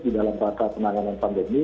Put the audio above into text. di dalam rangka penanganan pandemi